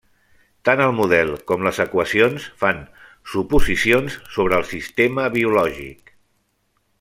Tant el model com les equacions fan suposicions sobre el sistema biològic.